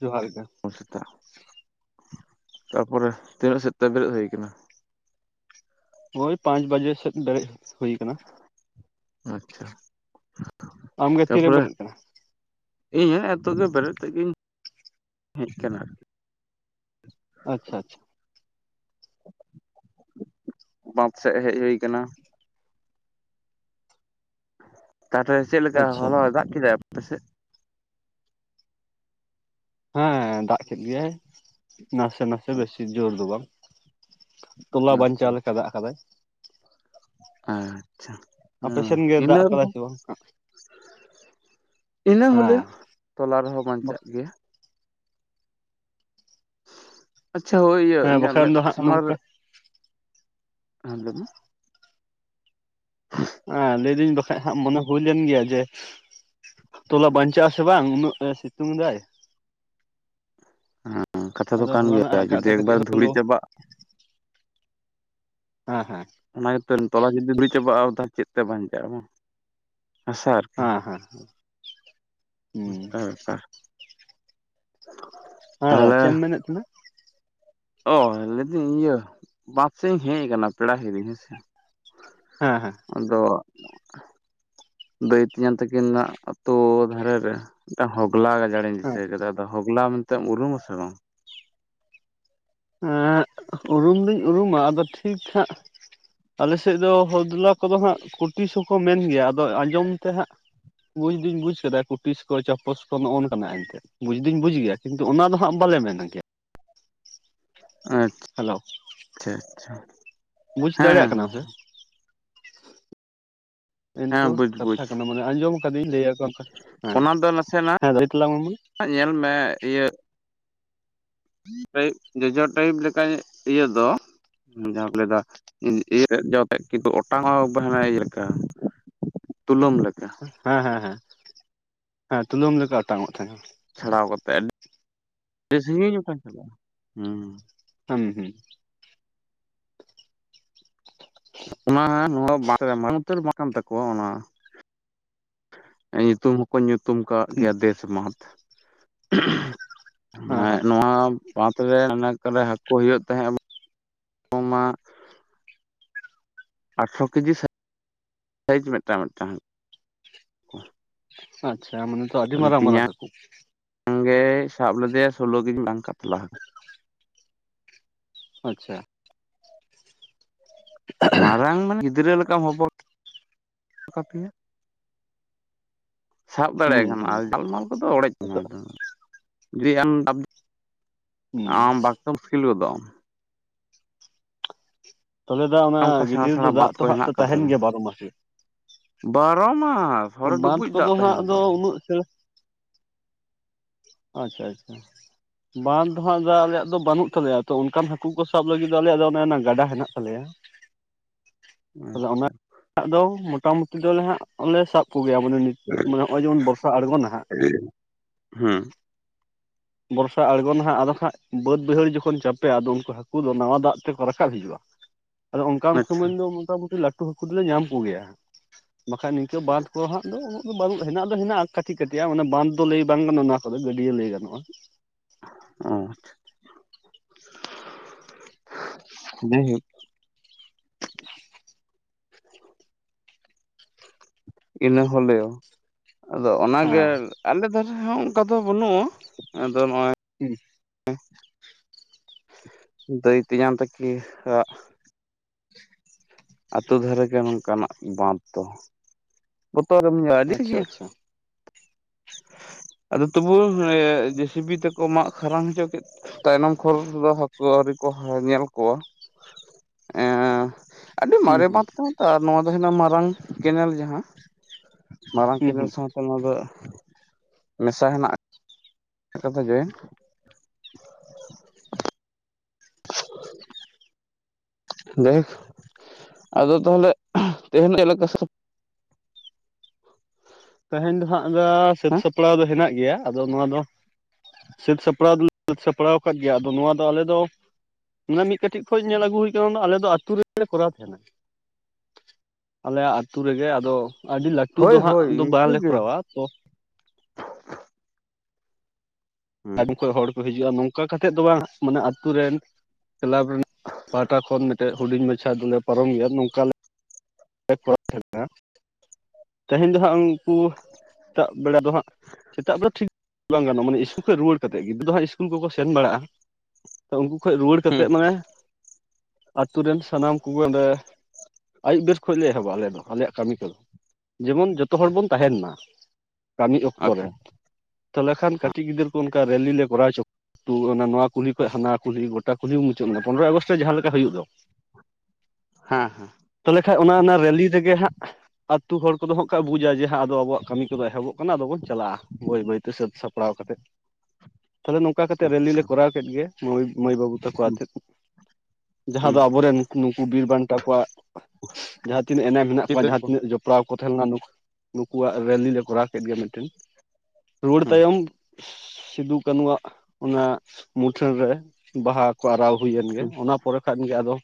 ᱡᱚᱦᱟᱨ ᱜᱮ᱾ ᱥᱟᱹᱜᱩᱱ ᱥᱮᱛᱟᱜ᱾ ᱛᱟᱨᱯᱚᱨᱮ ᱛᱤᱱᱟᱹᱜ ᱥᱮᱫ ᱛᱮ ᱵᱮᱨᱮᱫ ᱦᱩᱭ ᱠᱟᱱᱟ? ᱦᱳᱭ, ᱯᱟᱸᱪ ᱵᱟᱡᱮ ᱥᱮᱫ ᱵᱮᱨᱮᱫ ᱦᱩᱭ ᱠᱟᱱᱟ᱾ ᱟᱪᱪᱷᱟ ᱟᱢ ᱜᱮ ᱛᱤᱨᱮᱢ ᱛᱟᱯᱚᱨᱮ ᱵᱮᱨᱮᱫ ᱠᱟᱱᱟ? ᱤᱧ ᱦᱚᱸ ᱦᱮᱸᱛᱳᱜ ᱜᱮ ᱵᱮᱨᱮᱫ ᱠᱟᱛᱮᱜ ᱜᱤᱧ ᱦᱮᱡ ᱠᱟᱱᱟ ᱟᱨᱠᱤ᱾ ᱟᱪᱪᱷᱟ ᱟᱪᱪᱷᱟ᱾ ᱵᱟᱸᱫ ᱥᱮᱫ ᱦᱮᱡ ᱦᱩᱭᱠᱟᱱᱟ᱾ ᱛᱟᱯᱚᱨᱮ ᱪᱮᱫ ᱞᱮᱠᱟ ᱟᱪᱪᱷᱟ ᱦᱚᱞᱟᱭ ᱫᱟᱜ ᱠᱮᱫᱟᱭ ᱟᱯᱮ ᱥᱮᱫ? ᱦᱳᱭ-ᱦᱳᱭ-ᱦᱳᱭ, ᱫᱟᱜ ᱠᱮᱫ ᱜᱮᱭᱟᱭ ᱱᱟᱥᱮ ᱱᱟᱥᱮ ᱵᱮᱥᱤ ᱡᱳᱨ ᱫᱚ ᱵᱟᱝ᱾ ᱛᱚᱞᱟ ᱟᱪᱪᱷᱟ ᱵᱟᱧᱪᱟᱣ ᱞᱮᱠᱟ ᱫᱟᱜ ᱟᱠᱟᱫᱟᱭ᱾ ᱟᱪᱪᱷᱟ ᱦᱮᱸ ᱟᱯᱮᱥᱮᱱ ᱜᱮ ᱤᱱᱟᱹ ᱫᱟᱜ ᱠᱟᱫᱟᱭ ᱨᱮᱦᱚᱸ᱾ ᱥᱮ ᱵᱟᱝ ᱤᱱᱟᱹ ᱦᱤᱞᱳ ᱦᱮᱸ ᱛᱚᱞᱟ ᱨᱮᱦᱚᱸ ᱵᱟᱧᱪᱟᱜ ᱜᱮᱭᱟ᱾ ᱟᱪᱪᱷᱟ ᱦᱳᱭ ᱤᱭᱟᱹ ᱦᱮᱸ ᱤᱧᱟᱹᱜ ᱵᱟᱠᱷᱟᱱ ᱢᱮᱫ ᱫᱚ ᱦᱟᱸᱜ ᱥᱟᱢᱟᱝ ᱨᱮ ᱱᱚᱝᱠᱟ ᱦᱮᱸ, ᱞᱟᱹᱭ ᱢᱮ? [inaudible] ᱦᱮᱸ ᱞᱟᱹᱭᱫᱟᱹᱧ ᱵᱟᱠᱷᱟᱡ ᱦᱟᱸᱜ ᱢᱚᱱᱮ ᱦᱩᱭ ᱞᱮᱱ ᱜᱮᱭᱟ ᱡᱮ ᱛᱚᱞᱟ ᱵᱟᱧᱪᱟᱜ-ᱟ ᱥᱮ ᱵᱟᱝ ᱩᱱᱟᱹᱜ ᱮᱭ ᱥᱤᱛᱩᱝ ᱫᱟᱭ? ᱦᱮᱸ, ᱠᱟᱛᱷᱟ ᱫᱚ ᱟᱫᱚ ᱠᱟᱱ ᱦᱚᱞᱟᱱᱟᱜ ᱜᱮᱭᱟ ᱨᱟᱠᱟᱵ ᱡᱩᱫᱤ ᱛᱮ ᱮᱠᱵᱟᱨ ᱠᱟᱹᱴᱤᱡ ᱫᱷᱩᱲᱤ ᱦᱚᱞᱳ ᱪᱟᱵᱟᱜ ᱦᱮᱸ ᱦᱮᱸ ᱚᱱᱟ ᱜᱮᱛᱚ ᱛᱚᱞᱟ ᱡᱩᱫᱤ ᱦᱩᱭ ᱪᱟᱵᱟᱜ-ᱟ ᱟᱫᱚ ᱛᱟᱞᱦᱮ ᱪᱮᱫ ᱛᱮ ᱵᱟᱧᱪᱟᱜ-ᱟ ᱵᱟᱝ? ᱦᱟᱥᱟ ᱟᱨᱠᱤ ᱦᱮᱸ ᱦᱮᱸ ᱦᱮᱸ᱾ ᱦᱩᱸ, ᱚᱱᱠᱟ ᱵᱮᱯᱟᱨ ᱦᱮᱸ ᱫᱟᱜ, ᱛᱟᱦᱚᱞᱮ ᱪᱮᱫ ᱮᱢ ᱢᱮᱱᱮᱫ ᱛᱟᱸᱦᱮᱱᱟ? ᱚ, ᱞᱟᱹᱭᱫᱟᱹᱧ ᱤᱭᱟᱹ ᱵᱟᱸᱫᱽ ᱥᱮᱫ ᱤᱧ ᱦᱮᱡ ᱟᱠᱟᱱᱟ ᱯᱮᱲᱟ ᱦᱤᱨᱤ ᱦᱮᱸᱥᱮ᱾ ᱦᱮᱸ ᱟᱫᱚ ᱫᱟᱹᱭ ᱛᱤᱧᱟᱝ ᱛᱟᱹᱠᱤᱱᱟᱜ ᱟᱛᱳ ᱫᱷᱟᱨᱮ ᱨᱮ ᱢᱤᱫᱴᱟᱝ ᱦᱚᱜᱽᱞᱟ ᱜᱟᱡᱟᱲ ᱤᱧ ᱦᱮᱸ ᱫᱤᱥᱟᱹ ᱠᱮᱫᱟ ᱟᱫᱚ ᱦᱚᱜᱽᱞᱟ ᱢᱮᱱᱛᱮᱫ ᱩᱨᱩᱢ ᱟᱥᱮ ᱵᱟᱝ? ᱮᱸ ᱩᱨᱩᱢ ᱫᱩᱧ ᱩᱨᱩᱢᱟ ᱟᱫᱚ ᱴᱷᱤᱠ ᱦᱟᱜ ᱟᱞᱮᱥᱮᱫ ᱫᱚ ᱦᱚᱫᱞᱟ ᱠᱚᱫᱚ ᱦᱟᱸᱜ ᱠᱩᱴᱤᱥ ᱦᱚᱸᱠᱚ ᱢᱮᱱ ᱜᱮᱭᱟ ᱟᱫᱚ ᱟᱸᱡᱚᱢ ᱛᱮ ᱦᱟᱸᱜ ᱵᱩᱡᱽ ᱫᱩᱧ ᱵᱩᱡ ᱠᱮᱫᱟ ᱠᱩᱴᱤᱥ ᱠᱚ ᱪᱟᱯᱚᱥ ᱠᱚ ᱱᱚᱜᱚᱭ ᱱᱚᱝᱠᱟᱱᱟ ᱮᱱ ᱛᱮᱫ ᱾ ᱵᱩᱡ ᱫᱩᱧ ᱵᱩᱡ ᱜᱮᱭᱟ ᱠᱤᱱᱛᱩ ᱚᱱᱟ ᱫᱚ ᱦᱟᱸᱜ ᱵᱟᱞᱮ ᱢᱮᱱ ᱠᱮᱭᱟ᱾ ᱟᱪᱪᱷᱟ ᱦᱮᱞᱳ ᱟᱪᱪᱷᱟ ᱵᱩᱡᱽ ᱦᱮᱸ ᱫᱟᱲᱮᱭᱟᱜ ᱦᱮᱸ ᱠᱟᱱᱟ ᱥᱮ ᱦᱮᱸ ᱤᱱᱠᱟᱹ ᱵᱩᱡᱽ ᱵᱩᱡᱽ ᱠᱟᱛᱷᱟ ᱠᱟᱱᱟ ᱢᱟᱱᱮ ᱟᱸᱡᱚᱢ ᱠᱟᱹᱫᱤᱧ ᱞᱟᱹᱭᱟ ᱚᱱᱟ ᱫᱚ ᱱᱟᱥᱮᱱᱟᱜ ᱛᱟᱞᱟᱝ ᱢᱮ ᱧᱮᱞ ᱢᱮ ᱤᱭᱟᱹ ᱴᱟᱭᱤᱯ ᱡᱚᱡᱚ ᱴᱟᱭᱤᱯ ᱞᱮᱠᱟ ᱤᱭᱟᱹ ᱫᱚ ᱡᱟᱦᱟᱸ ᱠᱚ ᱞᱟᱹᱭᱫᱟ ᱤᱭᱟᱹ ᱡᱚᱛᱮᱫ ᱠᱤᱱᱛᱩ ᱚᱴᱟᱝ ᱚᱜ-ᱟ ᱦᱟᱱᱟ ᱤᱭᱟᱹ ᱞᱮᱠᱟ᱾ ᱛᱩᱞᱟᱹᱢ ᱞᱮᱠᱟ ᱦᱮᱸ ᱦᱮᱸ ᱦᱮᱸ ᱦᱮᱸ ᱛᱩᱞᱟᱹᱢ ᱞᱮᱠᱟ ᱚᱴᱟᱝ ᱚᱜ ᱛᱟᱦᱮᱸ ᱪᱷᱟᱲᱟᱣ ᱠᱟᱛᱮ ᱟᱹᱰᱤ ᱥᱟᱺᱜᱤᱧ ᱜᱚᱴᱟᱝ ᱪᱟᱞᱟᱜᱼᱟ ᱦᱮᱸ ᱦᱩᱸ ᱦᱩᱸ ᱚᱱᱟ ᱦᱟᱜ ᱢᱟᱱ ᱩᱛᱟᱹᱨ ᱵᱟᱝ ᱠᱟᱱ ᱛᱟᱠᱚᱣᱟ ᱚᱱᱟ ᱧᱩᱛᱩᱢ ᱦᱚᱸᱠᱚ ᱧᱩᱛᱩᱢ ᱠᱟᱜ ᱜᱮᱭᱟ ᱫᱮᱥ ᱵᱟᱸᱫᱷ ᱦᱮᱸ ᱦᱮ ᱦᱮᱸ ᱱᱚᱣᱟ ᱵᱟᱫᱽ ᱨᱮ ᱦᱟᱱᱮ ᱚᱠᱟᱨᱮ ᱦᱟᱩᱳ ᱦᱩᱭᱩᱜ ᱛᱟᱦᱮᱸᱫ [unintelligible] ᱟᱴᱷᱚᱨᱚ ᱠᱮᱡᱤ ᱥᱟᱭᱤᱡ ᱢᱤᱫᱴᱟᱝ ᱢᱤᱫᱴᱟᱝ ᱦᱟᱹᱠᱩ ᱟᱪᱪᱷᱟ ᱢᱟᱱᱮ ᱛᱚ ᱟᱹᱰᱤ ᱢᱟᱨᱟᱝ ᱢᱟᱨᱟᱝ ᱦᱟᱠᱩ ᱦᱮᱜᱮ ᱥᱟᱵ ᱞᱮᱫᱮᱭᱟᱭ ᱥᱳᱞᱳᱠᱤᱡᱤ ᱵᱟᱝ ᱠᱟᱛᱞᱟ ᱦᱟᱠᱩ [inaudible] ᱟᱪᱪᱷᱟ ᱢᱟᱨᱟᱝ ᱢᱟᱱᱮ ᱜᱤᱫᱽᱨᱟᱹ ᱞᱮᱠᱟᱢ ᱦᱚᱵᱚᱨ ᱠᱟᱯᱮᱭᱟ ᱥᱟᱵ ᱦᱩᱸ ᱫᱟᱲᱮᱭᱟᱭ ᱠᱟᱱᱟ ᱦᱩᱸ ᱟᱨ ᱦᱩᱸ ᱡᱟᱞᱢᱟᱞ ᱠᱚᱫᱚ ᱚᱲᱮᱡ ᱠᱟᱱᱟ ᱱᱤᱛᱚᱜ ᱦᱩᱸ [unintelligible] ᱟᱢ ᱵᱟᱠᱛᱚ ᱢᱩᱥᱠᱤᱞ ᱜᱚᱫᱚᱟᱢ ᱛᱟᱦᱚᱞᱮ ᱫᱟ ᱚᱱᱟ ᱟᱢ ᱚᱱᱠᱟ ᱥᱮᱬᱟ ᱜᱤᱰᱤᱭᱟᱹᱨᱮ ᱥᱮᱬᱟ ᱫᱚ ᱫᱟᱜ ᱵᱟᱸᱫᱷ ᱛᱚ ᱠᱚ ᱦᱟᱜ ᱦᱮᱱᱟᱜ ᱛᱚ ᱟᱠᱟᱫᱟ ᱛᱟᱦᱮᱱ ᱜᱮᱭᱟ ᱵᱟᱨᱚ ᱢᱟᱥ ᱜᱮ ᱵᱟᱨᱚ ᱢᱟᱥ ᱦᱚᱲ ᱰᱩᱵᱩᱡ ᱵᱟᱸᱫᱷ ᱫᱟᱜ ᱠᱚᱫᱚ ᱛᱟᱦᱮᱱᱟ ᱦᱟᱸᱜ ᱵᱟᱨᱚ [unintelligible] ᱟᱪᱪᱷᱟ ᱟᱪᱪᱷᱟ ᱵᱟᱸᱫᱷ ᱫᱚ ᱦᱟᱜ ᱫᱚ ᱟᱞᱮᱭᱟᱜ ᱫᱚ ᱵᱟᱹᱱᱩᱜ ᱛᱟᱞᱮᱭᱟ ᱛᱚ ᱚᱱᱠᱟᱱ ᱦᱟᱹᱠᱩ ᱠᱚ ᱥᱟᱵ ᱞᱟᱹᱜᱤᱫ ᱫᱚ ᱟᱞᱮᱭᱟᱜ ᱫᱚ ᱚᱱᱮ ᱚᱱᱟ ᱜᱟᱰᱟ ᱦᱮᱱᱟᱜ ᱛᱟᱞᱮᱭᱟ᱾ [inaudible] ᱟᱪᱪᱷᱟ ᱱᱟᱟᱜ ᱫᱚ ᱢᱚᱴᱟᱢᱩᱴᱤ ᱫᱚᱞᱮ ᱦᱟᱸᱜ ᱞᱮ ᱥᱟᱵ ᱠᱚᱜᱮᱭᱟ ᱢᱟᱱᱮ ᱱᱤᱛ ᱱᱚᱜᱼᱚᱭ ᱡᱮᱢᱚᱱ ᱵᱚᱨᱥᱟ ᱟᱬᱜᱚᱱᱟ ᱦᱟᱸᱜ ᱦᱮᱸ ᱵᱚᱨᱥᱟ ᱟᱬᱜᱚ ᱱᱟ ᱦᱟᱸᱜ ᱟᱫᱚ ᱠᱷᱜ ᱵᱟᱹᱫᱽ ᱵᱟᱹᱭᱦᱟᱹᱲ ᱡᱚᱠᱷᱚᱱ ᱪᱟᱯᱮᱜᱼᱟ ᱟᱫᱚ ᱩᱱᱠᱩ ᱦᱟᱹᱠᱩ ᱫᱚ ᱱᱟᱣᱟ ᱫᱟᱜ ᱛᱮᱠᱚ ᱨᱟᱠᱟᱵ ᱦᱤᱡᱩᱜᱼᱟ᱾ ᱟᱫᱚ ᱚᱱᱠᱟᱱ ᱟᱪᱪᱷᱟ ᱥᱚᱢᱚᱭ ᱫᱚ ᱢᱳᱴᱟᱢᱩᱴᱤ ᱞᱟᱹᱴᱩ ᱦᱟᱹᱠᱩ ᱫᱚᱞᱮ ᱧᱟᱢ ᱠᱚᱜᱮᱭᱟ᱾ ᱵᱟᱠᱷᱟᱡ ᱱᱤᱝᱠᱟᱹ ᱵᱟᱸᱫᱷ ᱠᱚ ᱦᱟᱸᱜ ᱫᱚ ᱵᱟᱹᱱᱩᱜ ᱦᱮᱱᱟᱜ ᱫᱚ ᱦᱮᱱᱟᱜᱼᱟ ᱠᱟᱹᱴᱤᱡ ᱠᱟᱹᱴᱤᱡᱟᱜ ᱚᱱᱮ ᱵᱟᱸᱫᱷ ᱫᱚ ᱞᱟᱹᱭ ᱵᱟᱝ ᱜᱟᱱᱚᱜᱼᱟ᱾ ᱚᱱᱟ ᱫᱚ ᱜᱟᱹᱰᱭᱟᱹ ᱞᱟᱹᱭ ᱜᱟᱱᱚᱜᱼᱟ᱾ ᱚᱷᱟ ᱡᱟᱭᱦᱳᱠ ᱤᱱᱟᱹ ᱦᱚᱸᱞᱮᱭᱳ ᱟᱫᱚ ᱚᱱᱟᱜᱮ ᱦᱮᱸ ᱟᱞᱮ ᱫᱷᱟᱨᱮ ᱦᱚᱸ ᱚᱱᱠᱟ ᱫᱚ ᱵᱟᱹᱱᱩᱜᱼᱟ ᱟᱫᱚ ᱱᱚᱜᱼᱚᱭ ᱦᱩᱸ ᱩᱜ ᱫᱟᱹᱭᱤ ᱛᱮᱧᱟᱝ ᱛᱟᱠᱤ ᱶᱟᱜ ᱟᱹᱛᱩ ᱫᱷᱟᱨᱮᱜ ᱜᱮ ᱱᱚᱝᱠᱟᱱᱟᱜ ᱵᱟᱸᱫᱷ ᱫᱚ ᱵᱚᱛᱚᱨ [unintelligible] ᱵᱟᱧᱭᱟ ᱟᱹᱰᱤ ᱟᱪᱪᱷᱟ ᱥᱟᱜᱤᱧ ᱟᱪᱪᱷᱟ [unintelligible] ᱟᱫᱚ ᱛᱚᱵᱩ ᱡᱤᱥᱤᱵᱤ ᱛᱮᱠᱚ ᱢᱟᱜ ᱠᱷᱟᱨᱟᱝ ᱦᱚᱪᱚ ᱠᱮᱫ ᱛᱟᱭᱱᱚᱢ ᱠᱷᱚᱨ ᱨᱮᱫᱚ ᱦᱟᱹᱠᱩ ᱟᱹᱶᱨᱤ ᱠᱚ ᱧᱮᱞ ᱠᱚᱣᱟ ᱮ ᱟᱹᱰᱤ ᱦᱩᱸ ᱢᱟᱨᱮ ᱦᱩᱸ ᱵᱟᱸᱫ ᱠᱟᱱᱟ ᱛᱚ ᱟᱨ ᱱᱚᱣᱟ ᱫᱚ ᱦᱩᱭᱩᱜ ᱠᱟᱱᱟ ᱢᱟᱨᱟᱝ ᱠᱮᱱᱮᱞ ᱡᱟᱦᱟᱸ ᱢᱟᱨᱟᱝ ᱦᱩᱸ ᱦᱩᱸ ᱠᱮᱱᱮᱞ ᱥᱟᱶᱛᱮ ᱚᱱᱟ ᱫᱚ ᱢᱮᱥᱟ ᱦᱮᱱᱟᱜ ᱮᱠᱟᱛᱮᱜᱮ [unintelligible] ᱦᱮᱞᱳ ᱟᱫᱚ ᱛᱟᱦᱚᱞᱮ ᱛᱮᱦᱮᱧ ᱪᱮᱫ ᱥᱟᱯ ᱛᱮᱦᱮᱧ ᱫᱚ ᱦᱟᱸᱜ ᱫᱟᱜ ᱥᱟᱹᱛ ᱦᱮᱸ ᱥᱟᱯᱲᱟᱣ ᱫᱚ ᱦᱮᱱᱟᱜ ᱜᱮᱭᱟ ᱟᱫᱚ ᱱᱚᱣᱟ ᱫᱚ ᱥᱟᱹᱛ ᱥᱟᱯᱲᱟᱣ ᱫᱚᱞᱮ ᱥᱟᱹᱛ ᱥᱟᱯᱲᱟᱣ ᱟᱠᱟᱫ ᱜᱮᱭᱟ ᱟᱫᱚ ᱱᱚᱣᱟ ᱫᱚ ᱟᱞᱮ ᱫᱚ ᱚᱱᱟ ᱢᱤᱫ ᱠᱟᱹᱴᱤᱡ ᱠᱷᱚᱡ ᱧᱮᱞ ᱟᱹᱜᱩ ᱦᱩᱭ ᱟᱠᱟᱱᱟ ᱟᱞᱮ ᱫᱚ ᱟᱛᱩ ᱨᱮᱞᱮ ᱠᱚᱨᱟᱣ ᱛᱟᱦᱮᱸᱱᱟ ᱟᱞᱮᱭᱟᱜ ᱟᱛᱩ ᱨᱮᱜᱮ ᱟᱫᱚ ᱟᱹᱰᱤ ᱞᱟᱹᱴᱩ ᱦᱳᱭ ᱫᱚ ᱦᱟᱸᱜ ᱦᱳᱭ ᱫᱚ ᱤᱱᱠᱟᱹ ᱵᱟᱝᱞᱮ ᱜᱮ ᱠᱚᱨᱟᱣᱟ ᱛᱚ ᱦᱩᱸ ᱛᱟᱭᱚᱢ [unintelligible] ᱠᱷᱚᱡ ᱦᱚᱲ ᱠᱚ ᱦᱤᱡᱩᱜᱼᱟ᱾ ᱱᱚᱝᱠᱟ ᱠᱟᱛᱮᱫ ᱫᱚ ᱵᱟᱝ ᱢᱟᱱᱮ ᱟᱹᱛᱩ ᱨᱮᱱ ᱼᱼ ᱠᱞᱟᱵᱽ ᱨᱮᱱᱟᱜ ᱯᱟᱦᱴᱟ ᱠᱷᱚᱱ ᱢᱤᱫᱴᱮᱡ ᱦᱩᱰᱤᱧ ᱢᱟᱪᱷᱟ ᱫᱚᱞᱮ ᱯᱟᱨᱚᱢ ᱜᱮᱭᱟ ᱱᱚᱝᱠᱟ ᱼᱼ [inaudible] ᱛᱮᱦᱮᱧ ᱫᱚ ᱦᱟᱸᱜ ᱼᱼ ᱠᱩ ᱥᱮᱛᱟᱜ ᱵᱮᱲᱟ ᱫᱚ ᱦᱟᱸᱜ ᱥᱮᱛᱟᱜ ᱵᱮᱲᱟ ᱴᱷᱤᱠ ᱵᱟᱝ ᱜᱟᱱᱚᱜᱼᱟ ᱢᱟᱱᱮ ᱤᱥᱠᱩᱞ ᱠᱷᱚᱱ ᱨᱩᱣᱟᱹᱲ ᱠᱟᱛᱮᱫ ᱜᱤᱫᱽᱨ [inaudible] ᱫᱚ ᱦᱟᱸᱜ ᱤᱥᱩᱞ [unintelligible] ᱼᱼ ᱠᱩᱞ ᱠᱚᱠᱚ ᱥᱮᱱ ᱵᱟᱲᱟᱜᱼᱟ᱾ ᱛᱚ ᱩᱱᱠᱩ ᱠᱷᱚᱡ ᱨᱩᱣᱟᱹᱲ ᱦᱩᱸ ᱠᱟᱛᱮᱫ ᱢᱟᱱᱮ ᱼᱼ ᱟᱛᱩ ᱨᱮᱱ ᱥᱟᱱᱟᱢ ᱠᱚᱜᱮ ᱚᱸᱰᱮ ᱟᱹᱭᱩᱵ ᱵᱮᱥ ᱠᱷᱚᱡ ᱞᱮ ᱮᱦᱚᱵᱟ ᱟᱞᱮ ᱫᱚ᱾ ᱟᱞᱮᱭᱟᱜ ᱠᱟᱹᱢᱤ ᱠᱚᱫᱚ ᱡᱮᱢᱚᱱ ᱡᱚᱛᱚ ᱦᱚᱲ ᱵᱚᱱ ᱛᱟᱦᱮᱱ ᱢᱟ। ᱠᱟᱹᱢᱤ ᱚᱠᱛᱚ ᱟᱪᱪᱷᱟ ᱨᱮ᱾ ᱛᱟᱦᱚᱞᱮ ᱠᱷᱟᱱ ᱠᱟᱹᱴᱤᱡ ᱜᱤᱫᱽᱨᱟᱹ ᱠᱚ ᱚᱱᱠᱟ ᱨᱮᱞᱤ ᱞᱮ ᱠᱚᱨᱟᱣ ᱦᱚᱪᱚ ᱠᱚᱣᱟ। ᱛᱩ ᱚᱱᱟ ᱱᱚᱣᱟ ᱠᱩᱞᱦᱤ ᱠᱷᱚᱡ ᱦᱟᱱᱟ ᱠᱩᱞᱦᱤ ᱜᱚᱴᱟ ᱠᱩᱞᱦᱤ ᱢᱩᱪᱟᱹᱫ ᱮᱱᱟ᱾ ᱯᱚᱱᱨᱚᱭ ᱟᱜᱚᱥᱴ ᱨᱮ ᱡᱟᱦᱟᱸ ᱞᱮᱠᱟ ᱦᱩᱭᱩᱜ ᱫᱚ। ᱦᱟᱸ ᱦᱮᱸ ᱵᱟᱠᱷᱟᱡ [unintelligible] ᱚᱱᱟ ᱚᱱᱟ ᱨᱮᱞᱤ ᱨᱮᱜᱮ ᱦᱟᱸᱜ ᱟᱛᱩ ᱦᱚᱲ ᱠᱚᱫᱚ ᱦᱟᱸᱜ ᱠᱷᱟᱱᱡ [unintelligible] ᱵᱩᱡᱟ ᱡᱮ ᱦᱟᱸᱜ ᱟᱫᱚ ᱟᱵᱚᱣᱟᱜ ᱠᱟᱹᱢᱤ ᱠᱚᱫᱚ ᱮᱦᱚᱵᱚᱜᱼᱟ। ᱠᱟᱱᱟ ᱟᱫᱚ ᱵᱚᱱ ᱪᱟᱞᱟᱜᱼᱟ᱾ ᱵᱟᱹᱭ ᱵᱟᱹᱭᱛᱮ ᱥᱟᱹᱛ ᱥᱟᱯᱲᱟᱣ ᱠᱟᱛᱮᱫ᱾ ᱛᱟᱦᱚᱞᱮ ᱱᱚᱝᱠᱟ ᱠᱟᱛᱮ ᱨᱮᱞᱤ ᱞᱮ ᱠᱚᱨᱟᱣ ᱼᱼ ᱠᱮᱫ ᱜᱮ ᱢᱟᱹᱭ ᱢᱟᱹᱭ ᱵᱟᱹᱵᱩ ᱼᱼ ᱛᱚᱠᱚ ᱦᱮᱸ ᱟᱛᱮᱫ ᱡᱟᱦᱟᱸ ᱦᱩᱸ ᱫᱚ ᱟᱵᱚᱨᱮᱱ ᱩᱱᱠᱩ ᱱᱩᱠᱩ ᱵᱤᱨ ᱵᱟᱱᱴᱟ ᱠᱚᱣᱟᱜ ᱼᱼ ᱡᱟᱦᱟᱸ ᱛᱤᱱᱟᱹᱜ ᱮᱱᱮᱢ ᱢᱮᱱᱟᱜ ᱠᱚᱣᱟ ᱪᱤᱛᱟᱹᱨ ᱡᱟᱦᱟᱸ ᱠᱚ ᱛᱤᱱᱟᱹᱜ ᱡᱚᱯᱲᱟᱣ ᱠᱚ ᱛᱟᱦᱮᱸ ᱱᱩᱝᱠᱩ ᱱᱩᱠᱩᱣᱟᱜ ᱨᱮᱞᱤ ᱞᱮ ᱠᱚᱨᱟᱣ ᱠᱮᱫ ᱜᱮᱭᱟ ᱢᱤᱫᱴᱮᱱ᱾ ᱨᱩᱣᱟᱹᱲ ᱦᱩᱸ ᱛᱟᱭᱚᱢ ᱼᱼ ᱥᱤᱫᱷᱩ ᱠᱟᱱᱩᱣᱟᱜ ᱚᱱᱟ ᱢᱩᱴᱷᱟᱹᱱ ᱨᱮ ᱵᱟᱦᱟ ᱼᱼ ᱠᱚ ᱟᱨᱟᱣ ᱦᱩᱭᱮᱱ ᱜᱮ᱾ ᱦᱩᱸ ᱚᱱᱟ ᱯᱚᱨᱮ ᱠᱷᱟᱱ ᱜᱮ ᱟᱫᱚ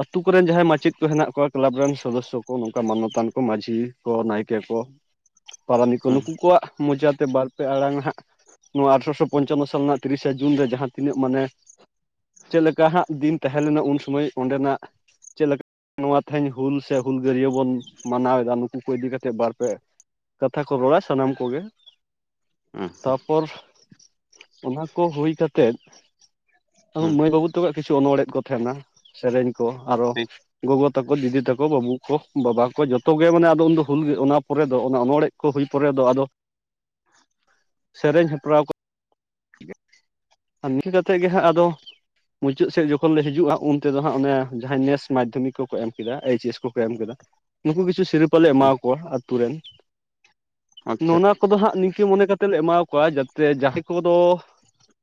ᱟᱹᱛᱩ ᱠᱚᱨᱮᱱ ᱡᱟᱦᱟᱸᱭ ᱢᱟ [unintelligible] ᱼᱼ ᱠᱚ ᱦᱮᱱᱟᱜ ᱠᱚᱣᱟ ᱠᱞᱟᱵᱽ ᱨᱮᱱ ᱥᱚᱫᱚᱥᱥᱚ ᱠᱚ ᱱᱚᱝᱠᱟ ᱢᱟᱱᱱᱚᱛᱟᱱ ᱠᱚ ᱢᱟᱹᱡᱷᱤ ᱠᱚ ᱱᱟᱭᱠᱮ ᱠᱚ। ᱯᱟᱨᱟᱱᱤ ᱠᱚ ᱦᱩᱸ ᱱᱩᱠᱩ ᱠᱚᱣᱟᱜ ᱢᱚᱪᱟᱛᱮ ᱵᱟᱨᱯᱮ ᱟᱲᱟᱝ ᱦᱟᱸᱜ ᱼᱼ ᱱᱚᱣᱟ ᱟᱴᱷᱨᱚᱥᱚ ᱯᱚᱧᱪᱟᱱᱱᱚ ᱥᱟᱞ ᱨᱮᱱᱟᱜ ᱛᱤᱨᱤᱥᱟ ᱡᱩᱱ ᱨᱮ᱾ ᱡᱟᱦᱟᱸ ᱛᱤᱱᱟᱹᱜ ᱢᱟᱱᱮ ᱼᱼ ᱪᱮᱫᱞᱮᱠᱟ ᱦᱟᱸᱜ ᱫᱤᱱ ᱛᱟᱦᱮᱸᱞᱱᱟ ᱩᱱ ᱥᱚᱢᱚᱭ ᱚᱸᱰᱮᱱᱟᱜ? ᱪᱮᱫᱮᱠᱟ ᱼᱼ ᱱᱚᱣᱟ ᱛᱮᱦᱮᱧ ᱦᱩᱞ ᱥᱮ ᱦᱩᱞᱜᱟᱹᱨᱭᱟᱹ ᱵᱚᱱ ᱢᱟᱱᱟᱣ ᱮᱫᱟ ᱱᱩᱠᱩ ᱠᱚ ᱤᱫᱤ ᱠᱟᱛᱮᱫ ᱵᱟᱨᱯᱮ ᱼᱼ ᱠᱟᱛᱷᱟ ᱠᱚ ᱨᱚᱲᱟ ᱥᱟᱱᱟᱢ ᱠᱚᱜᱮ। ᱦᱩᱸ ᱛᱟᱨᱯᱚᱨ ᱚᱱᱟ ᱠᱚ ᱦᱩᱭ ᱠᱟᱛᱮᱫ ᱦᱩᱸ ᱼᱼ ᱢᱟᱹᱭ ᱵᱟᱹᱵᱩ ᱛᱮᱟᱠᱚᱣᱟᱜ ᱠᱤᱪᱷᱩ ᱚᱱᱚᱚᱲᱦᱮ ᱠᱚ ᱛᱟᱦᱮᱱᱟ ᱥᱮᱨᱮᱧ ᱠᱚ, ᱟᱨᱚ ᱼᱼ ᱴᱷᱤᱠ ᱜᱚᱜᱚ ᱛᱟᱠᱚ, ᱫᱤᱫᱤ ᱛᱟᱠᱚ, ᱵᱟᱹᱵᱩ ᱠᱚ, ᱵᱟᱵᱟ ᱠᱚ, ᱡᱷᱚᱛᱚ ᱜᱮ ᱢᱟᱱᱮ ᱟᱫᱚ ᱩᱱᱫᱚ ᱦᱩᱞᱜ ᱚᱱᱟ ᱯᱚᱨᱮ ᱫᱚ ᱚᱱᱟ ᱚᱱᱚᱲᱦᱮ ᱼᱼ ᱠᱚ ᱦᱩᱭ ᱯᱚᱨᱮ ᱫᱚ ᱟᱫᱚ ᱥᱮᱨᱮᱧ ᱦᱮᱯᱨᱟᱣ ᱠᱚ ᱼᱼ ᱱᱝ [inaudible] ᱠᱟᱛᱮᱫ ᱜᱮ ᱦᱟᱸᱜ ᱟᱫᱚ ᱼᱼ ᱢᱩᱪᱟᱹᱫ ᱥᱮᱫ ᱡᱚᱠᱷᱚᱱ ᱞᱮ ᱦᱤᱡᱩᱜᱼᱟ, ᱩᱱ ᱛᱮᱫᱚ ᱦᱟᱸᱜ ᱚᱱᱮ ᱡᱟᱦᱟᱸᱭ ᱱᱮᱥ ᱢᱟᱫᱽᱫᱷᱚᱢᱤᱠ ᱠᱚᱠᱚ ᱮᱢ ᱠᱮᱫᱟ, ᱮᱭᱤᱪ ᱮᱥ ᱠᱚᱠᱚ ᱮᱢ ᱠᱮᱫᱟ। ᱱᱩᱠᱩ ᱠᱤᱪᱷᱩ ᱥᱤᱨᱯᱟᱹ ᱞᱮ ᱮᱢᱟ ᱠᱚᱣᱟ ᱟᱛᱩ ᱨᱮᱱ। ᱟᱪᱪᱷᱟ ᱱᱩᱱᱹᱟᱠ ᱠᱚᱫᱚ ᱦᱟᱸᱜ ᱱᱤᱝᱠᱟᱹ ᱢᱚᱱᱮ ᱠᱟᱛᱮ ᱞᱮ ᱮᱢᱟᱣᱟ ᱠᱚᱣᱟ᱾ ᱡᱟᱛᱮ ᱡᱟᱦᱟᱸᱭ ᱠᱚᱫᱚ ᱼᱼ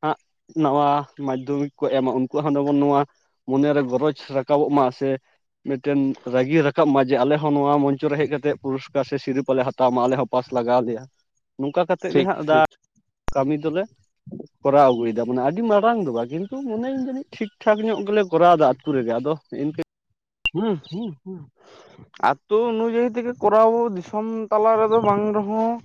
ᱦᱟᱸᱜ ᱱᱟᱣᱟ ᱢᱟᱫᱽᱫᱷᱚᱢᱤᱠ ᱠᱚ ᱮᱢᱟ ᱩᱱᱠᱩᱣᱟᱜ ᱦᱚᱸ ᱡᱮᱢᱚᱱ ᱱᱚᱣᱟ ᱼᱼ ᱢᱚᱱᱮᱨᱮ ᱜᱚᱨᱚᱡᱽ ᱨᱟᱠᱟᱵᱚᱜ ᱢᱟ ᱥᱮ ᱼᱼ ᱢᱤᱫᱴᱮᱱ ᱨᱟᱹᱜᱤ ᱨᱟᱠᱟᱵ ᱢᱟ ᱡᱮ ᱟᱞᱮ ᱦᱚᱸ ᱱᱚᱣᱟ ᱢᱚᱧᱪᱚ ᱨᱮ ᱦᱮᱡ ᱠᱟᱛᱮᱫ ᱯᱩᱨᱚᱥᱠᱟᱨ ᱥᱮ ᱥᱤᱨᱯᱟᱞᱮ ᱦᱟᱛᱟᱣ ᱢᱟ। ᱟᱞᱮ ᱦᱚᱸ ᱼᱼ ᱯᱟᱥ ᱞᱟᱜᱟᱣ ᱟᱞᱮᱭᱟ᱾ ᱱᱚᱝᱠᱟ ᱠᱟᱛᱮᱫ ᱜᱮ ᱴᱷᱤᱠ ᱦᱟᱸᱜ ᱴᱷᱤᱠ ᱫᱟᱜ ᱠᱟᱹᱢᱤ ᱫᱚᱞᱮ ᱼᱼ ᱠᱚᱨᱟᱣ ᱟᱹᱜᱩᱭᱮᱫᱟ ᱵᱚᱱᱟ ᱟᱹᱰᱤ ᱢᱟᱨᱟᱝ ᱫᱚ ᱵᱟᱝ ᱠᱤᱱᱛᱩ ᱢᱚᱱᱮᱧ ᱡᱟᱹᱱᱤᱡ ᱴᱷᱤᱠ ᱴᱷᱟᱠ ᱧᱚᱜ ᱜᱮᱞᱮ ᱠᱚᱨᱟᱣᱮᱫᱟ। ᱟᱛᱩ ᱨᱮᱜᱮ ᱟᱫᱚ ᱤᱱ [unintelligible] ᱟᱛᱩ ᱱᱩᱭᱡᱟᱹᱱᱤ ᱛᱤᱜᱤ ᱠᱚᱨᱟᱣ ᱫᱤᱥᱚᱢ ᱛᱟᱞᱟ ᱨᱮᱫᱚ ᱵᱟᱝ ᱨᱮᱦᱚᱸ।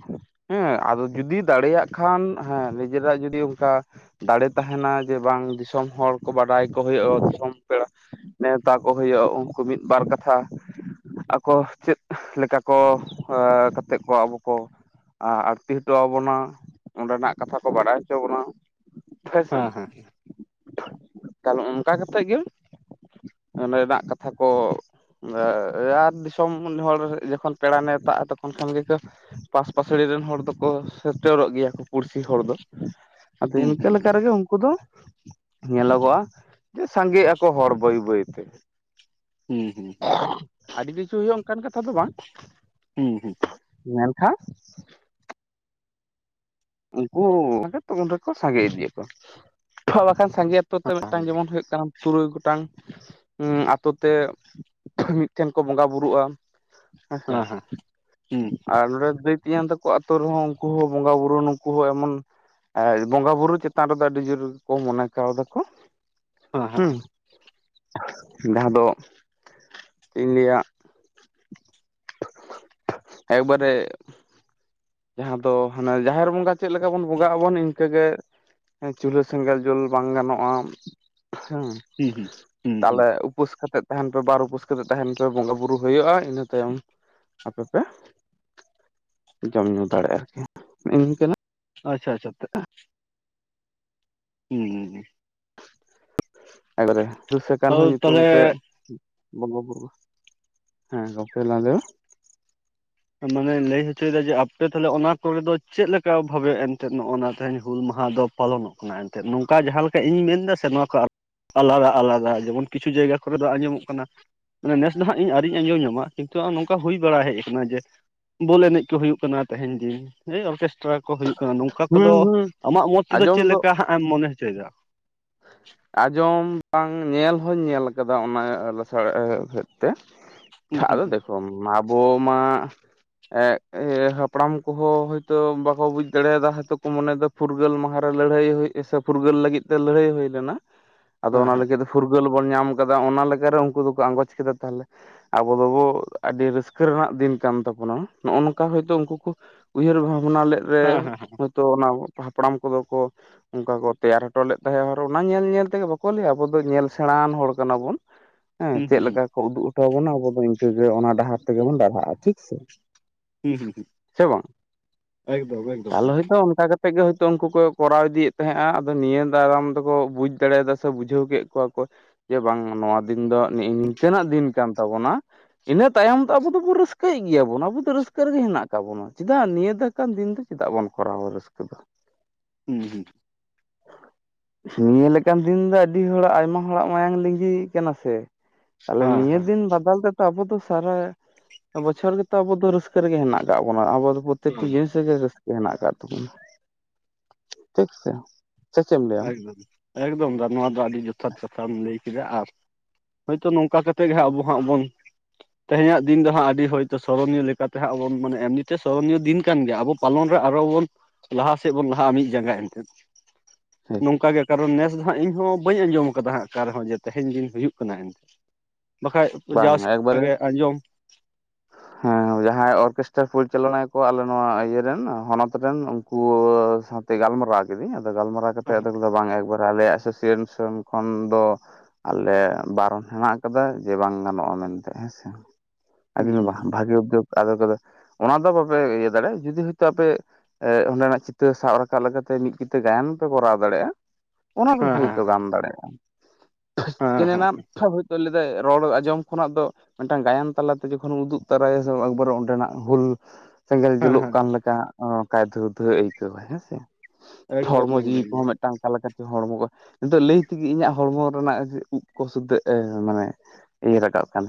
ᱦᱮᱸ ᱟᱫᱚ ᱡᱩᱫᱤ ᱫᱟᱲᱮᱭᱟᱜ ᱠᱷᱟᱱ ᱦᱮᱸ ᱱᱤᱡᱮᱨᱟᱜ ᱡᱩᱚᱫᱤ ᱚᱱᱠᱟ ᱼᱼ ᱫᱟᱲᱮ ᱛᱟᱦᱮᱱᱟ ᱡᱮ ᱵᱟᱝ ᱫᱤᱥᱚᱢ ᱦᱚᱲ ᱠᱚ ᱵᱟᱰᱟᱭ ᱠᱚ ᱦᱩᱭᱩᱜᱼᱟ᱾ ᱫᱤᱥᱚᱢ ᱯᱮᱲᱟ ᱱᱮᱣᱛᱟ ᱠᱚ ᱼᱼ ᱦᱩᱭᱩᱜᱼᱟ᱾ ᱩᱱᱠᱩ ᱢᱤᱫ ᱵᱟᱨ ᱠᱟᱛᱷᱟ ᱼᱼ ᱟᱠᱚ ᱪᱮᱫ ᱞᱮᱠᱟ ᱠᱚ ᱠᱟᱛᱮᱫ ᱠᱚ ᱟᱵᱚ ᱠᱚ ᱟ ᱟᱲᱛᱤ ᱦᱚᱴᱚ ᱟᱵᱚᱱᱟ᱾ ᱚᱸᱰᱮᱱᱟᱜ ᱠᱟᱛᱷᱟ ᱠᱚ ᱵᱟᱰᱟᱭ ᱦᱚᱪᱚ ᱵᱚᱱᱟ। ᱯᱷᱮᱥᱮᱱ ᱦᱮᱸ ᱦᱮᱸ ᱛᱟᱦᱞᱮ ᱚᱱᱠᱟ ᱠᱟᱛᱮᱫ ᱜᱮ ᱚᱸᱰᱮᱱᱟᱜ ᱠᱟᱛᱷᱟ ᱠᱚ [unintelligible] ᱭᱟᱨ ᱫᱤᱥᱚᱢ ᱦᱚᱲ ᱡᱚᱠᱷᱚᱱ ᱯᱮᱲᱟ ᱱᱮᱛᱟᱜᱼᱟ ᱛᱚᱠᱷᱚᱱ ᱠᱷᱚᱱ ᱜᱮᱠᱚ ᱼᱼ ᱯᱟᱥ ᱯᱟᱥᱲᱤ ᱨᱮᱱ ᱦᱚᱲ ᱫᱚᱠᱚ ᱥᱮᱴᱮᱨᱚᱜ ᱜᱮᱭᱟ ᱠᱚ ᱯᱩᱲᱥᱤ ᱦᱚᱲ ᱫᱚ। ᱟᱫᱚ ᱦᱩᱸ ᱤᱱᱠᱟᱹ ᱦᱩᱸ ᱞᱮᱠᱟ ᱨᱮᱜᱮ ᱩᱱᱠᱩ ᱫᱚ ᱧᱮᱞᱚᱜᱚᱜᱼᱟ ᱡᱮ ᱥᱟᱸᱜᱮᱜ ᱟᱠᱚ ᱦᱚᱲ ᱵᱟᱹᱭ ᱵᱟᱹᱭ ᱛᱮ। ᱛᱮ ᱦᱩᱸ ᱦᱩᱸ᱾ ᱦᱩᱸ ᱟᱹᱰᱤ ᱠᱤᱪᱷᱩ ᱦᱩᱭᱩᱜᱼᱟ ᱚᱱᱠᱟᱱ ᱠᱟᱛᱷᱟ ᱫᱚ ᱵᱟᱝ ᱦᱩᱸ ᱦᱩᱸ᱾ ᱧᱮᱞᱠᱷᱟ? ᱩᱱᱠᱩᱚ ᱚᱸᱰᱮ ᱛᱚ ᱩᱱ ᱨᱮᱠᱚ ᱥᱟᱸᱜᱮ ᱤᱫᱤ ᱟᱠᱚ᱾ ᱵᱟᱠᱷᱟᱱ ᱥᱟᱸᱜᱮ ᱚᱠᱛᱚ ᱛᱮ ᱢᱤᱫᱴᱟᱝ ᱡᱮᱢᱚᱱ ᱦᱩᱭᱩᱜ ᱠᱟᱱᱟ᱾ ᱛᱩᱨᱩᱭ ᱜᱚᱴᱟᱝ ᱟᱛᱳ ᱛᱮ ᱢᱤᱫᱴᱷᱮᱱ ᱠᱚ ᱵᱚᱸᱜᱟ ᱵᱩᱨᱩᱜᱼᱟ᱾ ᱟᱪᱪᱷᱟ᱾ ᱦᱮᱸ ᱦᱮᱸ ᱟᱨ ᱱᱚᱸᱰᱮ ᱫᱟᱹᱭ ᱛᱮᱧᱟᱝ ᱛᱟᱠᱚ ᱟᱛᱚ ᱨᱮᱦᱚᱸ ᱩᱱᱠᱩ ᱦᱚᱸ ᱵᱚᱸᱜᱟ ᱵᱩᱨᱩ ᱱᱩ ᱩᱱᱠᱩ ᱦᱚᱸ ᱮᱢᱚᱱ ᱮᱸ ᱵᱚᱸᱜᱟ ᱵᱩᱨᱩ ᱪᱮᱛᱟᱱ ᱨᱮᱫᱚ ᱟᱹᱰᱤ ᱡᱚᱨ ᱠᱚ ᱢᱚᱱᱮ ᱠᱟᱣ ᱫᱟᱠᱚ ᱦᱩᱸ ᱦᱮᱸ ᱦᱮᱸ ᱦᱩᱸ ᱡᱟᱦᱟᱸ ᱫᱚ ᱪᱮᱫ ᱤᱧ ᱞᱟᱹᱭᱟ ᱮᱠ ᱵᱟᱨᱮ ᱡᱟᱦᱟᱸ ᱫᱚ ᱦᱟᱱᱟ ᱡᱟᱦᱮᱨ ᱵᱚᱸᱜᱟ ᱪᱮᱫ ᱞᱮᱠᱟ ᱵᱚᱱ ᱵᱚᱸᱜᱟᱜ ᱟᱵᱚᱱ ᱤᱱᱠᱟᱹᱜᱮ ᱦᱮᱸ ᱪᱩᱞᱦᱟᱹ ᱥᱮᱸᱜᱮᱞ ᱡᱩᱞ ᱵᱟᱝ ᱜᱟᱱᱚᱜᱼᱟ ᱦᱮᱸ ᱦᱩᱸ ᱦᱩᱸ ᱦᱩᱸ ᱦᱩᱸ ᱛᱟᱞᱮ ᱩᱯᱟᱹᱥ ᱠᱟᱛᱮ ᱛᱟᱦᱮᱱ ᱯᱮ ᱵᱟᱨ ᱩᱯᱟᱹᱥ ᱠᱟᱛᱮᱫ ᱛᱟᱦᱮᱱ ᱯᱮ ᱵᱚᱸᱜᱟ ᱵᱩᱨᱩ ᱦᱩᱭᱩᱜᱼᱟ ᱤᱱᱟᱹ ᱛᱟᱭᱚᱢ ᱟᱯᱮ ᱯᱮ ᱡᱚᱢᱼ ᱧᱩ ᱫᱟᱲᱮᱭᱟᱜᱼᱟ [unintelligible] ᱱᱤᱭ ᱼᱱᱤᱠᱟᱹᱱᱟᱜ᱾ ᱟᱪᱪᱷᱟ ᱟᱪᱪᱷᱟ᱾ ᱩᱸ ᱦᱩᱸ ᱮᱠᱵᱟᱨᱮ ᱫᱩᱥᱟᱹᱠᱟᱱ ᱨᱮ [inaudible] ᱟᱫᱚ ᱦᱚᱸ ᱧᱩᱛᱩᱢ ᱛᱟᱦᱚᱞᱮ ᱛᱮᱜ ᱵᱚᱸᱜᱟ ᱵᱩᱨᱩ ᱦᱮᱸ ᱜᱟᱯᱮ ᱞᱟᱫᱮ᱾ ᱢᱟᱱᱮ ᱞᱟᱹᱭ ᱦᱚᱪᱚᱭᱮᱫᱟ ᱡᱮ ᱟᱯᱮ ᱛᱟᱦᱞᱮ ᱚᱱᱟ ᱠᱚᱨ ᱫᱚ ᱪᱮᱫᱞᱮᱠᱟ ᱵᱷᱟᱵᱮ ᱮᱱᱛᱮᱫ ᱱᱚᱜ ᱱᱟ ᱛᱮᱧ ᱦᱩᱞ ᱢᱟᱦᱟ ᱫᱚ ᱯᱟᱞᱚᱱᱚᱜ ᱠᱟᱱᱟ ᱮᱱᱛᱮᱫ ᱱᱚᱝᱠᱟ ᱡᱟᱦᱟᱸ ᱞᱮᱠᱟ ᱤᱧ ᱢᱮᱱ ᱮᱫᱟ ᱥᱮ ᱱᱚᱣᱟ ᱠᱚ ᱟᱞᱟᱫᱟ ᱟᱞᱟᱫᱟ ᱡᱮᱢᱚᱱ ᱠᱤᱪᱷᱩ ᱡᱟᱭᱜᱟ ᱠᱚᱨᱮ ᱫᱚ ᱟᱸᱡᱚᱢᱚᱜ ᱠᱟᱱᱟ- ᱢᱮ ᱱᱮᱥ ᱫᱚ ᱦᱟᱸᱜ ᱤᱧ ᱟᱹᱣᱨᱤᱧ ᱟᱸᱡᱚᱢ ᱧᱟᱢᱟ ᱠᱤᱱᱛᱩ ᱱᱚᱝᱠᱟ ᱦᱩᱭ ᱵᱟᱲᱟ ᱦᱮᱡ ᱟᱠᱟᱱᱟ ᱡᱮ ᱵᱚᱞ ᱮᱱᱮᱡ ᱠᱚ ᱦᱩᱭᱩᱜ ᱠᱟᱱᱟ ᱛᱮᱦᱮᱧ ᱫᱤᱱ ᱦᱮᱭ ᱚᱨᱜᱮᱥᱴᱨᱟ- ᱠᱚ ᱦᱩᱭᱩᱜ ᱠᱟᱱᱟ ᱱᱚᱝᱠᱟ ᱠᱚᱫᱚ ᱦᱩᱸ ᱦᱩᱸ ᱟᱢᱟᱜ ᱢᱚᱛ ᱛᱮᱫᱚ ᱟᱸᱡᱚᱢ ᱪᱮᱫ ᱫᱚ ᱞᱮᱠᱟ ᱦᱟᱸᱜᱮᱢ ᱢᱚᱱᱮ ᱦᱚᱪᱚᱭᱮᱫᱟ ᱟᱸᱡᱚᱢ ᱵᱟᱝ ᱧᱮᱞ ᱦᱚᱧ ᱧᱮᱞ ᱟᱠᱟᱫᱟ ᱚᱱᱟ ᱞᱟᱥᱟᱲ [unintelligible] ᱦᱩᱸ ᱛᱮᱪᱷᱟᱜ ᱦᱩᱸ ᱟᱫᱚ ᱦᱩᱸ ᱫᱮᱠᱷᱚᱢ ᱟᱵᱚ ᱢᱟ ᱮᱸᱜ ᱤᱭᱟᱹ ᱦᱟᱯᱲᱟᱢ ᱠᱚᱦᱚᱸ ᱦᱚᱭᱛᱳ ᱵᱟᱠᱚ ᱵᱩᱡ ᱫᱟᱲᱮᱭᱟᱫᱟ ᱦᱚᱭᱛᱚ ᱠᱚ ᱢᱚᱱᱮ ᱫᱟ ᱯᱷᱩᱨᱜᱟᱹᱞ ᱢᱟᱦᱟ ᱨᱮ ᱞᱟᱹᱲᱦᱟᱹᱭ ᱦᱩᱭ ᱥᱮ ᱯᱷᱩᱨᱜᱟᱹᱞ ᱞᱟᱹᱜᱤᱫ ᱛᱮ ᱞᱟᱹᱲᱦᱟᱹᱭ ᱦᱩᱭ ᱞᱮᱱᱟ ᱟᱫᱚ ᱚᱱᱟ ᱦᱮᱸ ᱞᱟᱹᱜᱤᱫ ᱛᱮ ᱯᱷᱩᱨᱜᱟᱹᱞ- ᱯᱷᱩᱨᱜᱟᱹᱞ ᱵᱚᱱ ᱧᱟᱢ ᱠᱟᱫᱟ ᱚᱱᱟ ᱞᱮᱠᱟᱨᱮ ᱩᱱᱠᱩ ᱫᱚᱠᱚ ᱟᱸᱜᱚᱪ ᱠᱮᱫᱟ ᱛᱟᱦᱚᱞᱮ ᱟᱵᱚ ᱫᱚᱵᱚ ᱟᱹᱰᱤ ᱨᱟᱹᱥᱠᱟᱹ ᱨᱮᱱᱟᱜ ᱫᱤᱱ ᱠᱟᱱ ᱛᱟᱵᱚᱱᱟ ᱱᱚᱜᱚ ᱱᱚᱝᱠᱟ ᱦᱚᱳᱭᱛᱳ ᱩᱱᱠᱩᱠᱚ ᱩᱭᱦᱟᱹᱨ ᱵᱷᱟᱵᱱᱟ ᱞᱮᱫ ᱨᱮ ᱦᱮᱸ ᱦᱮᱸ ᱦᱮᱸ ᱦᱮᱸ ᱦᱚᱳᱭᱛᱳ ᱚᱱᱟ ᱦᱟᱯᱲᱟᱢ ᱠᱚᱫᱚ ᱠᱚ ᱚᱱᱠᱟ ᱠᱚ ᱛᱮᱭᱟᱨ ᱦᱚᱴᱚ ᱞᱮᱫ ᱛᱟᱦᱮᱸᱜ ᱚᱱᱟ ᱧᱮᱞ ᱧᱮᱞ ᱛᱮᱜᱮ ᱵᱟᱠᱚ ᱞᱟᱹᱭᱟ ᱟᱵᱚ ᱫᱚ ᱧᱮᱞ ᱥᱮᱬᱟᱱ ᱦᱚᱲ ᱠᱟᱱᱟ ᱵᱚᱱ ᱦᱮᱸ ᱦᱩᱸ ᱪᱮᱫ ᱦᱩᱸ ᱦᱩᱸ ᱞᱮᱠᱟ ᱠᱚ ᱩᱫᱩᱜᱚ ᱴᱚ ᱵᱚᱱᱟ ᱟᱵᱚ ᱫᱚ ᱤᱱᱠᱟᱹᱜᱮ ᱚᱱᱟ ᱰᱟᱦᱟᱨ ᱛᱮᱜᱮ ᱵᱚᱱ ᱰᱟᱨᱦᱟᱜᱼᱟ ᱴᱷᱤᱠ ᱥᱮ ᱦᱩᱸ ᱦᱩᱸ ᱦᱩᱸ ᱥᱮ ᱵᱟᱝ ᱮᱠᱫᱚᱢ ᱮᱠᱫᱚᱢ ᱛᱟᱞᱮ ᱦᱚᱭᱛᱳ ᱚᱱᱠᱟ ᱠᱟᱛᱮ- ᱛᱮ ᱜᱮ ᱦᱳᱭᱛᱳ ᱩᱱᱠᱩ ᱠᱚ ᱠᱚᱨᱟᱣ ᱤᱫᱤᱭᱮᱫ ᱛᱟᱦᱮᱸᱜᱼᱟ ᱟᱫᱚ ᱱᱤᱭᱟᱹ ᱛᱟᱭᱚᱢᱟᱨᱟᱢ ᱠᱚ ᱵᱩᱡ ᱫᱟᱲᱮᱭᱟᱫᱟ ᱥᱮ ᱵᱩᱡᱷᱟᱹᱣ ᱠᱮᱫ ᱠᱚᱣᱟ ᱠᱚ ᱡᱮ ᱵᱟᱝ ᱱᱚᱣᱟ ᱫᱤᱱ ᱫᱚ ᱱᱤᱝᱠᱟᱹᱱᱟᱜ ᱫᱤᱱ- ᱠᱟᱱ ᱛᱟᱵᱚᱱᱟ ᱤᱱᱟᱹ ᱛᱟᱭᱚᱢ ᱫᱚ ᱟᱵᱚ ᱫᱚᱵᱚᱱ ᱨᱟᱹᱥᱠᱟᱹᱭᱮᱫ ᱜᱮᱭᱟᱵᱚᱱ ᱟᱵᱚ ᱫᱚ ᱨᱟᱹᱥᱠᱟᱹ ᱨᱮᱜᱮ ᱦᱮᱱᱟᱜ ᱛᱟᱵᱚᱱᱟ ᱪᱮᱫᱟᱜ ᱱᱤᱭᱟᱹ ᱫᱚ ᱚᱱᱠᱟᱱ ᱫᱤᱱ ᱫᱚ ᱪᱮᱫᱟᱜ ᱵᱚᱱ ᱠᱚᱨᱟᱣᱟ ᱨᱟᱹᱥᱠᱟᱹ ᱫᱚ ᱦᱩᱸ ᱦᱩᱸ ᱱᱤᱭᱟᱹ ᱞᱮᱠᱟᱱ ᱫᱤᱱ ᱫᱚ ᱟᱹᱰᱤ ᱦᱚᱲᱟᱜ ᱟᱭᱢᱟ ᱦᱚᱲᱟᱜ ᱢᱟᱭᱟᱝ ᱞᱤᱸᱜᱤ ᱠᱟᱱᱟ ᱥᱮ ᱛᱟᱫᱚ ᱦᱮᱸ ᱱᱤᱭᱟᱹ ᱫᱤᱱ ᱵᱟᱫᱟᱞ ᱛᱮ ᱟᱵᱚ ᱫᱚ ᱥᱟᱨᱟ ᱵᱚᱪᱷᱚᱨ ᱜᱮᱛᱚ ᱟᱵᱚ ᱫᱚ ᱨᱟᱹᱥᱠᱟᱹ ᱨᱮᱜᱮ ᱦᱮᱱᱟᱜ ᱟᱠᱟᱟᱜ ᱵᱚᱱᱟ ᱟᱵᱚ- ᱯᱨᱚᱛᱮᱠᱴᱤ ᱦᱮᱸ ᱡᱤᱱᱤᱥ ᱨᱮᱜᱮ ᱨᱟᱹᱥᱠᱟᱹ ᱦᱮᱱᱟᱜ ᱟᱠᱟᱫ ᱛᱟᱵᱚᱱᱟ ᱴᱷᱤᱠ ᱥᱮ ᱪᱮᱫ ᱮᱢ ᱞᱟᱹᱭᱟ ᱟᱢ ᱮᱠᱫᱚᱢ ᱮᱠᱫᱚᱢ ᱫᱟ ᱱᱚᱣᱟ ᱫᱚ ᱟᱹᱰᱤ ᱡᱚᱛᱷᱟᱛ ᱠᱟᱛᱷᱟᱢ ᱞᱟᱹᱭ ᱠᱮᱫᱟ ᱠᱟᱜ ᱟᱨ ᱦᱳᱭᱛᱳ ᱱᱚᱝᱠᱟ ᱠᱟᱛᱮ ᱜᱮ ᱦᱟᱸᱜ ᱟᱵᱚ ᱦᱟᱸᱜ ᱵᱚᱱ ᱾ ᱛᱮᱦᱮᱧᱟᱜ ᱫᱤᱱ ᱫᱚ ᱦᱟᱸᱜ ᱟᱹᱰᱤ ᱦᱚᱭᱛᱳ ᱥᱚᱨᱚᱱᱤᱭᱚ ᱞᱮᱠᱟᱛᱮ ᱦᱟᱸᱜ ᱵᱚᱱ ᱢᱮ ᱮᱢᱱᱤᱛᱮ ᱥᱚᱨᱚᱱᱤᱭᱚ ᱫᱤᱱ ᱠᱟᱱ ᱜᱮᱭᱟ ᱟᱵᱚ ᱯᱟᱞᱚᱱ ᱨᱮ ᱟᱨᱚ ᱵᱚᱱ ᱞᱟᱦᱟ ᱥᱮᱫ ᱵᱚᱱ ᱞᱟᱦᱟᱜᱼᱟ ᱢᱤᱫ ᱡᱟᱸᱜᱟ ᱮᱱᱛᱮᱫ ᱦᱮᱸ ᱱᱚᱝᱠᱟ ᱜᱮ ᱠᱟᱨᱚᱱ ᱱᱮᱥ ᱦᱟᱸᱜ ᱤᱧ ᱦᱚᱸ ᱵᱟᱹᱧ ᱟᱸᱡᱚᱢ ᱟᱠᱟᱫᱟ ᱚᱠᱟ ᱨᱮᱦᱚᱸᱮ ᱛᱮᱦᱮᱧ ᱫᱤᱱ ᱦᱩᱭᱩᱜ ᱠᱟᱱᱟ ᱮᱱᱛᱮ᱾ ᱵᱟᱠᱷᱟᱡ ᱵᱟᱝ ᱡᱟᱣ ᱥᱮᱨᱢᱟ ᱮᱠᱵᱟᱨᱮ ᱜᱮ [inaudible] ᱦᱮᱸ, ᱡᱟᱦᱟᱸᱭ ᱚᱨᱠᱮᱥᱴᱟᱨ ᱯᱚᱨᱤᱪᱟᱞᱚᱱᱟᱭᱟ ᱠᱚ ᱟᱞᱮ ᱱᱚᱣᱟ ᱤᱭᱟᱹ ᱨᱮᱱ ᱦᱚᱱᱚᱛ ᱨᱮᱱ ᱠᱩᱶᱟᱹ ᱥᱟᱶᱛᱮ ᱜᱟᱞᱢᱟᱨᱟᱣ ᱠᱤᱫᱟᱹᱧ ᱟᱫᱚ ᱜᱟᱞᱢᱟᱨᱟᱣ ᱠᱟᱛᱮ ᱟᱫᱚ ᱵᱟᱝ ᱮᱠᱵᱟᱨᱮ ᱟᱞᱮ ᱮᱥᱳᱥᱤᱭᱮᱥᱚᱱ ᱠᱷᱚᱱ ᱫᱚ ᱟᱞᱮ ᱵᱟᱨᱚᱱ ᱦᱮᱱᱟᱜ ᱟᱠᱟᱫᱟ ᱾ ᱡᱮ ᱵᱟᱝ ᱜᱟᱱᱚᱜᱼᱟ ᱢᱮᱱᱛᱮ ᱦᱮᱸᱥᱮ ᱟᱫᱚ ᱦᱩᱸ ᱢᱮᱱ ᱦᱩᱸ ᱵᱟᱝ ᱦᱮᱸ ᱵᱷᱟᱜᱤ ᱩᱫᱽᱫᱳᱠ ᱾ ᱟᱫᱚ ᱛᱟᱞᱮ ᱚᱱᱟ ᱫᱚ ᱵᱟᱯᱮ ᱤᱭᱟᱹ ᱫᱟᱲᱮᱭᱟᱜᱼᱟ ᱡᱩᱫᱤ ᱦᱚᱭᱛᱳ ᱟᱯᱮ ᱚᱸᱰᱮᱱᱟᱜ ᱪᱤᱛᱟᱹᱨ ᱥᱟᱵ ᱨᱟᱠᱟᱵ ᱞᱮᱠᱟᱛᱮ ᱢᱤᱫᱠᱤᱛᱟᱹ ᱜᱟᱭᱟᱱ ᱯᱮ ᱠᱚᱨᱟᱣ ᱫᱟᱲᱮᱭᱟᱜᱼᱟ ᱾ ᱚᱱᱟ ᱫᱚ ᱦᱮᱸ ᱦᱚᱭᱛᱳ ᱜᱟᱱ ᱫᱟᱲᱮᱭᱟᱜᱼᱟ ᱾ [unintelligible] ᱦᱮᱸ ᱠᱮᱱᱮ ᱱᱟ ᱦᱮᱸ ᱦᱚᱭᱛᱳ ᱞᱟᱹᱭᱟᱭ ᱨᱚᱲ ᱟᱸᱡᱚᱢ ᱠᱷᱚᱱᱟᱜ ᱫᱚ ᱢᱤᱫᱴᱟᱝ ᱜᱟᱭᱟᱱ ᱛᱟᱞᱟᱛᱮ ᱡᱚᱠᱷᱚᱱ ᱩᱫᱩᱜ ᱛᱚᱨᱟᱭᱟᱵᱟᱨ ᱚᱸᱰᱮᱱᱟᱜ ᱦᱩᱞ ᱥᱮᱸᱜᱮᱞ ᱦᱮᱸ ᱡᱩᱞᱩᱜ ᱦᱮᱸ ᱠᱟᱱ ᱞᱮᱠᱟ ᱟᱸᱻ ᱛᱟ ᱫᱷᱟᱹᱣ ᱫᱷᱟᱹᱣ ᱟᱹᱭᱠᱟᱹᱣᱟ ᱦᱮᱸᱥᱮ ᱮᱠᱫᱚᱢ ᱦᱚᱲᱢᱚ ᱡᱤᱣᱤ ᱮᱠᱫᱚᱢ ᱠᱚᱦᱚᱸ ᱢᱤᱫ ᱢᱤᱫᱴᱟᱝ ᱚᱠᱟ ᱞᱮᱠᱟ ᱪᱚᱝ ᱦᱚᱲᱢᱚ ᱠᱚ ᱱᱤᱛᱚᱜ ᱞᱟᱹᱭ ᱛᱮᱜᱮ ᱤᱧᱟᱹᱜ ᱦᱚᱲᱢᱚ ᱨᱮᱱᱟᱜ ᱩᱵ ᱠᱚ ᱥᱩᱫᱷᱟ ᱢᱟᱱᱮ ᱤᱭᱟᱹ ᱨᱟᱠᱟᱵ ᱠᱟᱱᱟ ᱾